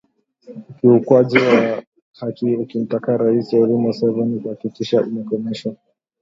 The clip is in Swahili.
ukiukwaji wa haki ukimtaka Rais Yoweri Museveni kuhakikisha inakomeshwa